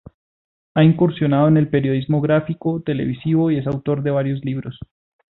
Ha incursionado en el periodismo gráfico, televisivo y es autor de varios libros.